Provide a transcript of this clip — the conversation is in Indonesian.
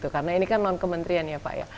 karena ini kan non kementerian ya pak